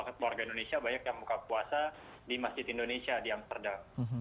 masyarakat warga indonesia banyak yang buka puasa di masjid indonesia di amsterdam